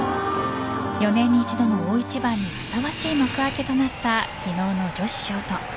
４年に１度の大一番にふさわしい幕開けとなった昨日の女子ショート。